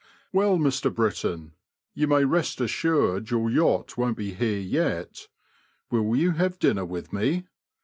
Well, Mr Brittain, you may rest assured your yacht won't be here yet. Will you have dinner with me?